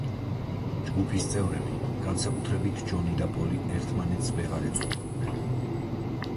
ჯგუფის წევრები, განსაკუთრებით ჯონი და პოლი ერთმანეთს ვეღარ ეწყობოდნენ.